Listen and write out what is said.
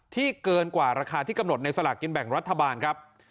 เกินกว่าราคาที่กำหนดในสลากกินแบ่งรัฐบาลครับ